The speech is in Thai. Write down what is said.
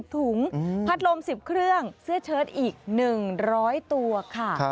ถุงพัดลม๑๐เครื่องเสื้อเชิดอีก๑๐๐ตัวค่ะ